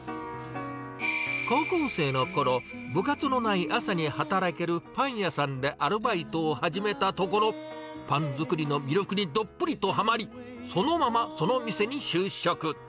高校生のころ、部活のない朝に働けるパン屋さんでアルバイトを始めたところ、パン作りの魅力にどっぷりとはまり、そのままその店に就職。